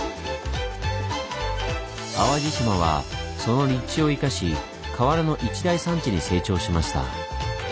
淡路島はその立地を生かし瓦の一大産地に成長しました。